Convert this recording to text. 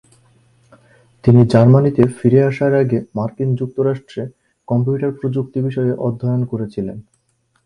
তিনি জার্মানিতে ফিরে আসার আগে মার্কিন যুক্তরাষ্ট্রে কম্পিউটার প্রযুক্তি বিষয়ে অধ্যয়ন করেছিলেন।